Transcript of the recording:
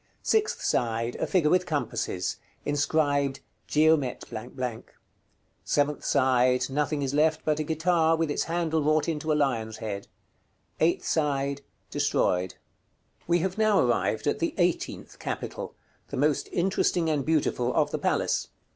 Sixth side. A figure with compasses. Inscribed "GEOMET " Seventh side. Nothing is left but a guitar with its handle wrought into a lion's head. Eighth side. Destroyed. § CVI. We have now arrived at the EIGHTEENTH CAPITAL, the most interesting and beautiful of the palace.